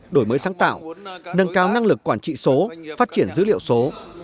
đổi mới sáng tạo nâng cao năng lực quản trị số phát triển dữ liệu số